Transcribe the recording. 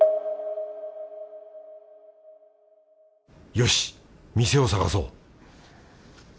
よし店を探そう！